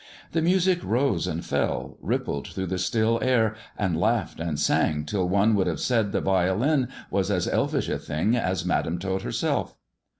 The music rose and fell, rippled through the still air, and laughed and sang till one would have said the violin was as elflsh a thing as Madam Tot herself.